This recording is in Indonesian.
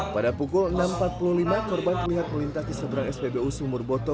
pada pukul enam empat puluh lima korban terlihat melintas di seberang spbu sumur boto